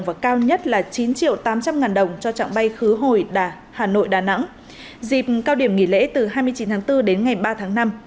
và cao nhất là chín triệu tám trăm linh ngàn đồng cho trạng bay khứ hồi đà hà nội đà nẵng dịp cao điểm nghỉ lễ từ hai mươi chín tháng bốn đến ngày ba tháng năm